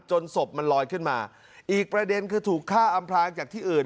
ศพมันลอยขึ้นมาอีกประเด็นคือถูกฆ่าอำพลางจากที่อื่น